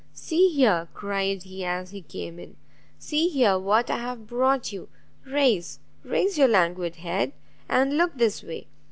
"See here!"' cried he, as he came in, "see here what I've brought you! raise, raise your languid head, and look this way!